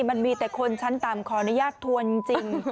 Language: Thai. มันมีแต่คนชั้นต่ำขออนุญาตทวนจริง